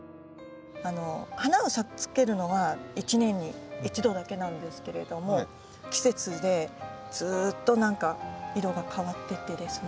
花をつけるのは１年に１度だけなんですけれども季節でずっと何か色が変わってってですね。